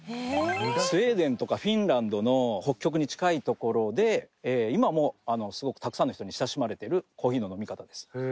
スウェーデンとかフィンランドの北極に近い所で今もすごくたくさんの人に親しまれてるコーヒーの飲み方です。